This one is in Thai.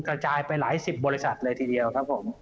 กระจายไปหลายสิบบริษัทเลยทีเดียวครับผม